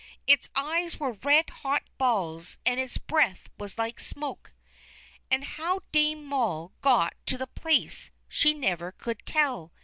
Its eyes were red hot balls, and its breath was like smoke. And how Dame Moll got to the place she never could tell.